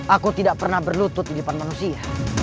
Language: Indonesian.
aku tidak pernah berlutut di depan manusia